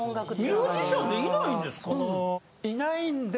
ミュージシャンでいないんですか。